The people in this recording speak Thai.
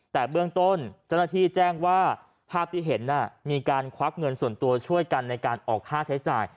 แต่เบื้องต้นเจ้าหน้าที่แจ้งว่าภาพที่เห็นมีการควักเงินส่วนตัวช่วยกันในการออกค่าใช้จ่าย